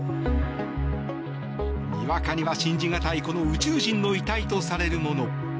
にわかには信じがたいこの宇宙人の遺体とされるもの。